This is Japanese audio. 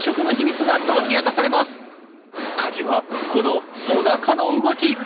カギはこのおなかの動き！